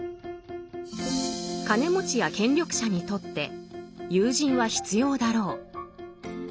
金持ちや権力者にとって友人は必要だろう。